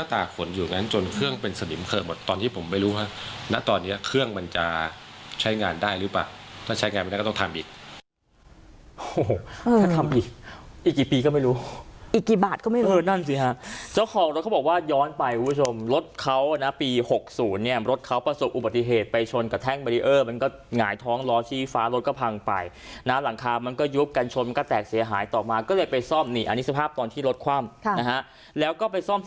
ถ้าทำอีกอีกกี่ปีก็ไม่รู้อีกกี่บาทก็ไม่รู้เออนั่นสิฮะเจ้าของรถเขาบอกว่าย้อนไปคุณผู้ชมรถเขานะปีหกศูนย์เนี่ยรถเขาประสบอุบัติเหตุไปชนกระแทงเบรีเออมันก็หงายท้องล้อชี้ฟ้ารถก็พังไปน้ำหลังคามันก็ยุบกันชนมันก็แตกเสียหายต่อมาก็เลยไปซ่อมหนี่อันนี้สภาพตอนที่รถคว่ำ